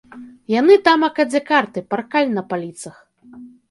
Яны тамака, дзе карты, паркаль на паліцах.